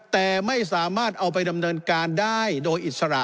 แต่ไม่สามารถเอาไปดำเนินการได้โดยอิสระ